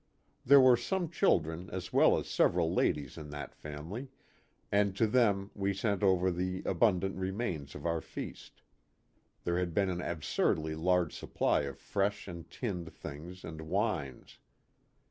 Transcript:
There were some children as well as several ladies in that family, and to them we sent over the abundant remains of our feast there had been an absurdly large supply of fresh and tinned things and wines.